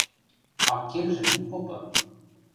– Аккелжӹм ит попы.